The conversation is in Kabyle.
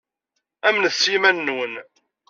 Amnet s yiman-nwen.